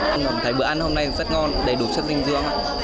em cảm thấy bữa ăn hôm nay rất ngon đầy đủ chất dinh dưỡng